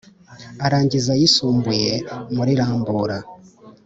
arangiriza ayisumbuye muri rambura